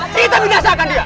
kita menjahatkan dia